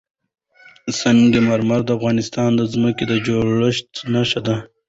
سنگ مرمر د افغانستان د ځمکې د جوړښت نښه ده.